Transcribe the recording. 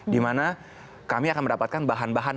dimana kami akan mendapatkan bahan bahan